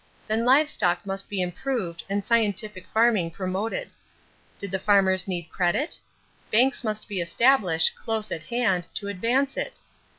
Then live stock must be improved and scientific farming promoted. Did the farmers need credit? Banks must be established close at hand to advance it.